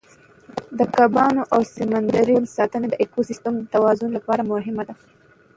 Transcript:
د کبانو او سمندري ژوند ساتنه د ایکوسیستم د توازن لپاره مهمه ده.